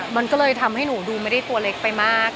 มันก็เลยทำให้หนูดูไม่ได้ตัวเล็กไปมาก